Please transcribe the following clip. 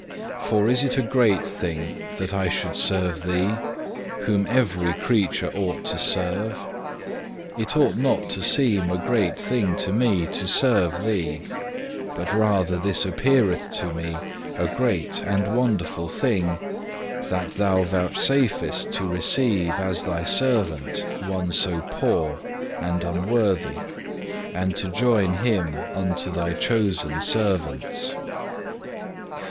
For is it a great thing that I should serve Thee, whom every creature ought to serve? It ought not to seem a great thing to me to serve Thee; but rather this appeareth to me a great and wonderful thing, that Thou vouchsafest to receive as Thy servant one so poor and unworthy, and to join him unto Thy chosen servants.